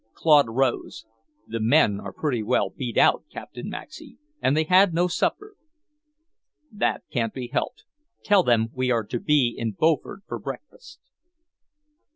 Claude rose. "The men are pretty well beat out, Captain Maxey, and they had no supper." "That can't be helped. Tell them we are to be in Beaufort for breakfast."